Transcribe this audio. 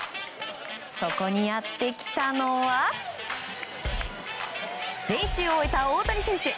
そこにやってきたのは練習を終えた大谷選手。